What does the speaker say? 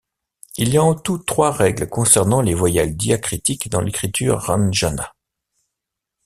Il y a en tout trois règles concernant les voyelles diacritiques dans l'écriture ranjana.